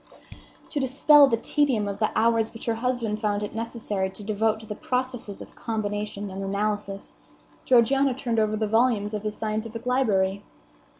To dispel the tedium of the hours which her husband found it necessary to devote to the processes of combination and analysis, Georgiana turned over the volumes of his scientific library.